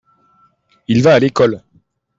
il va à l'école.